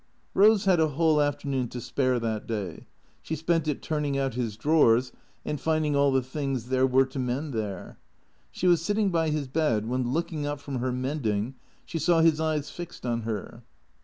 Eose had a whole afternoon to spare that day. She spent it turning out his drawers and finding all the things there were to mend there. She was sitting by his bed when, looking up from her mending, she saw his eyes fixed on her.